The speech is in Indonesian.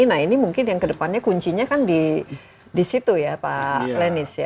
nah ini mungkin yang kedepannya kuncinya kan di situ ya pak lenis ya